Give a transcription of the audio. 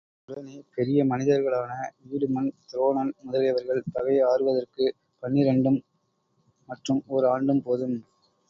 உடனே பெரிய மனிதர்களான வீடுமன், துரோணன் முதலியவர்கள் பகை ஆறுவதற்குப் பன்னிரண்டும் மற்றும் ஒர் ஆண்டும் போதும்.